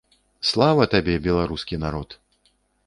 Слава табе, беларускі народ!